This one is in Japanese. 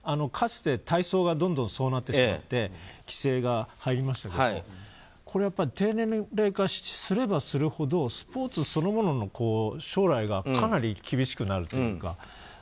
かつて体操がどんどんそうなってしまって規制が入りましたけどこれはやっぱり低年齢化すればするほどスポーツそのものの将来がかなり厳しくなるというか。